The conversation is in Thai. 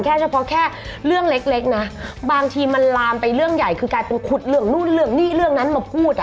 เฉพาะแค่เรื่องเล็กนะบางทีมันลามไปเรื่องใหญ่คือกลายเป็นขุดเรื่องนู่นเรื่องนี้เรื่องนั้นมาพูด